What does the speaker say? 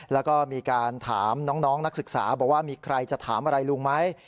แล้วก็มีการถามน้องนักศึกษาบอกว่ามีใครจะถามอะไรลุงไหม